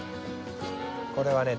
これはね